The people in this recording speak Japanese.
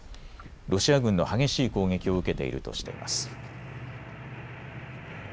ロシア軍の激しい攻撃を受けているとしています。